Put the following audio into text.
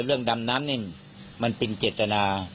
ก็เรื่องดำน้ำนี่มันเป็นเจตนา